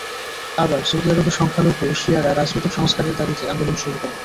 আবার সৌদি আরবের সংখ্যালঘু শিয়ারা রাজনৈতিক সংস্কারের দাবিতে আন্দোলন শুরু করে।